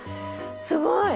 すごい！